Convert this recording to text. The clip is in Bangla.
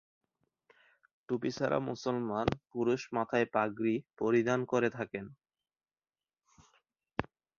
টুপি ছাড়াও মুসলমান পুরুষ মাথায় পাগড়ি পরিধান করে থাকেন।